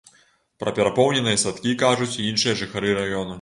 Пра перапоўненыя садкі кажуць і іншыя жыхары раёну.